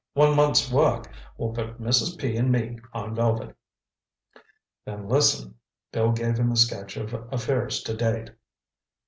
One month's work will put Mrs. P. and me on velvet." "Then listen!" Bill gave him a sketch of affairs to date.